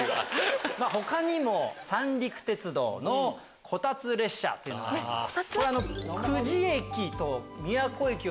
他にも三陸鉄道のこたつ列車というのがあります。